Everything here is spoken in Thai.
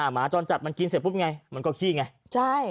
หมาจรจัดมันกินเสร็จปุ๊บไงมันก็ขี้ไงใช่